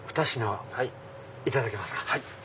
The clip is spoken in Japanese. はい。